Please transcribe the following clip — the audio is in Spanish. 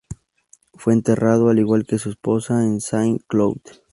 Fue enterrado, al igual que su esposa, en Saint-Cloud.